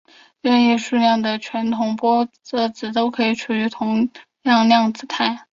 任意数量的全同玻色子都可以处于同样量子态。